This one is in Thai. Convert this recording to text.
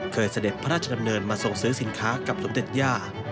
เสด็จพระราชดำเนินมาส่งซื้อสินค้ากับสมเด็จย่า